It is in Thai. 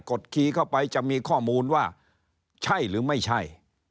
ดคีย์เข้าไปจะมีข้อมูลว่าใช่หรือไม่ใช่